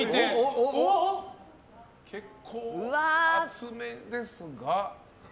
結構厚めですが。